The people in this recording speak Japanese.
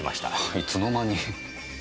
いつの間に。